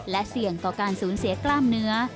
และเสี่ยงต่อการสูญเสียกล้ามเนื้อ